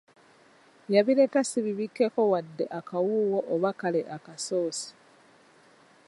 Yabireeta si bibikekko wadde akawuuwo oba kale akasoosi.